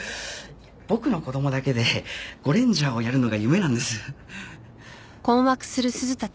僕の子供だけでゴレンジャーをやるのが夢なんです。